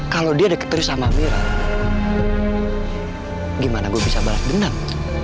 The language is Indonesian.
kalau dia deket terus sama amira gimana gue bisa balik benang